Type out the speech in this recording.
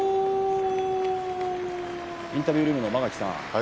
インタビュールームの間垣さん